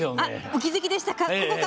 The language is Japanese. お気付きでしたか。